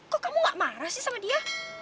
kok kamu gak marah sih sama dia